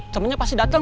temennya pasti dateng